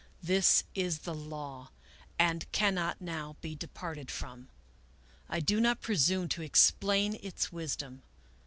This is the law, and cannot now be departed from. I do not presume to explain its wisdom.